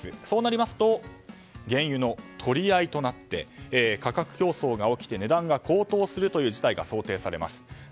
そうなりますと原油の取り合いとなって価格競争が起きて値段が高騰するという事態が想定されます。